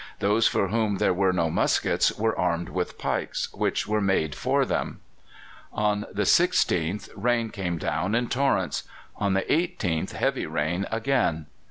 Those for whom there were no muskets were armed with pikes, which were made for them. On the 16th rain came down in torrents; on the 18th heavy rain again.